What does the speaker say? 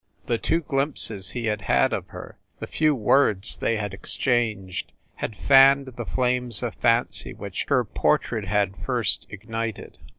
The two glimpses he had had of her, the few words they had exchanged, had fanned the flame of fancy which her portrait had first ignited.